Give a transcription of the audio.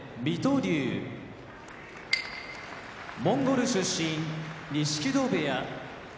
龍モンゴル出身錦戸部屋